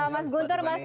mas guntur makasih